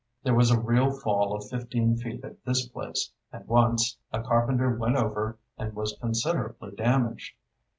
There was a real fall of fifteen feet at this place, and once, a carpenter went over and was considerably damaged.